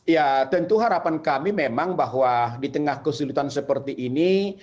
ya tentu harapan kami memang bahwa di tengah kesulitan seperti ini